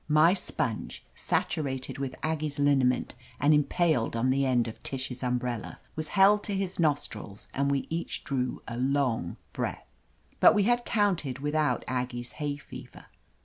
My sponge, saturated with Aggie's liniment and impaled on the end of Tish's umbrella, was held to his nostrils, and we each drew a long breath. But we had counted without Aggie's hay fever.